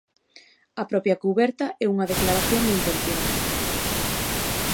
A propia cuberta é unha declaración de intencións.